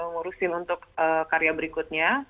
ngurusin untuk karya berikutnya